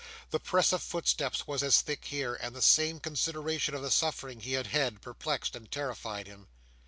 The press of footsteps was as thick here; and the same consideration of the suffering he had had, perplexed and terrified him.